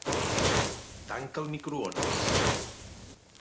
Tanca el microones.